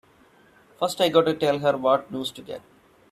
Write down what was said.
First I gotta tell her what news to get!